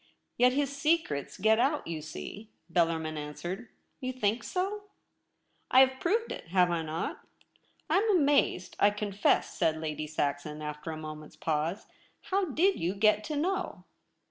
' Yet his secrets get out, you see !' Bellar min answered. * You think so ?' 1 6 THE REBEL ROSE. ' I have proved it, have I not ?'' I am amazed, I confess,' said Lady Saxon, after a moment's pause. ' How did you get to know